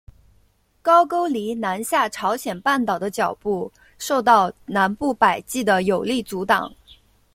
高句丽南下朝鲜半岛的脚步受到南部百济的有力阻挡。